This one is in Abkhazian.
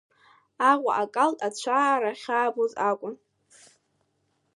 Аҟәа акалҭ ацәаара ахьаабоз акәын.